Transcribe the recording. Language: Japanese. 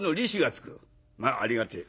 まあありがてえ。